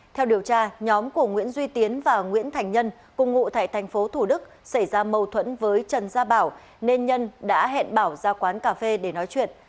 theo điều tra nhóm của nguyễn duy tiến và nguyễn thành nhân cùng ngụ tại tp thủ đức xảy ra mâu thuẫn với trần gia bảo nên nhân đã hẹn bảo ra quán cà phê để nói chuyện